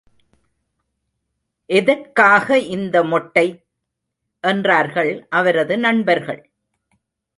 எதற்காக இந்த மொட்டை? என்றார்கள் அவரது நண்பர்கள்.